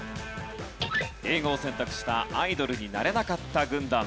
英語を選択したアイドルになれなかった軍団。